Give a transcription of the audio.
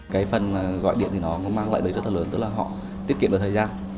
cái phần gọi điện thì nó mang lại đấy rất là lớn tức là họ tiết kiệm được thời gian